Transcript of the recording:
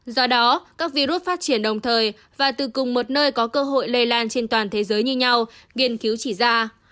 do đó các virus phát triển đồng thời và từ cùng một nơi có cơ hội lây lan trên toàn thế giới như nhau nghiên cứu chỉ ra